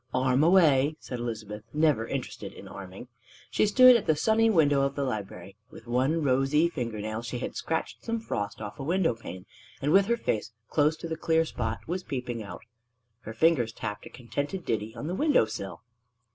"Arm away!" said Elizabeth, never interested in arming. She stood at the sunny window of the library. With one rosy finger nail she had scratched some frost off a window pane, and with her face close to the clear spot was peeping out. Her fingers tapped a contented ditty on the window sill.